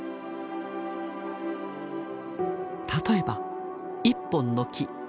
例えば１本の木。